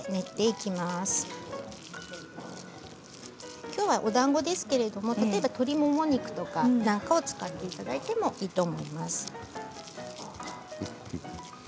きょうはおだんごですけれども例えば鶏もも肉とかなんかを使っていただいてもいいと思います。